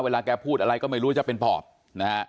เวลาแกพูดอะไรก็ไม่รู้จะเป็นปอบนะฮะ